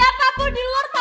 bapaknya bisa di ruangannya be